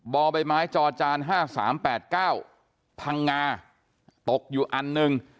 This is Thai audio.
บ่อใบไม้จอจานห้าสามแปดเก้าพังงาตกอยู่อันหนึ่ง